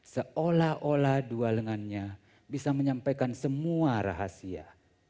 seolah olah dua lengannya bisa menyampaikan semua rahasia